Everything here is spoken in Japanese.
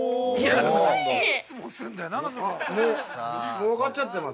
◆もう分かっちゃってます？